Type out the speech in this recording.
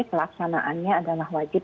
pelaksanaannya adalah wajib